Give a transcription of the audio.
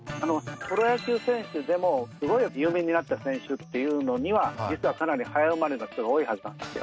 プロ野球選手でもすごい有名になった選手っていうのには実はかなり早生まれの人が多いはずなんですよ。